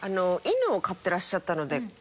犬を飼ってらっしゃったので。